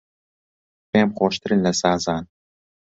پێم خۆشترن لە سازان